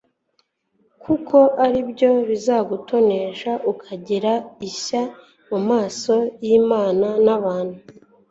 kuko ari byo bizagutonesha ukagira ishya mu maso y'imana n'ay'abantu